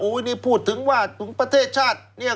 อู้วนี้พูดถึงว่าประเทศชาติ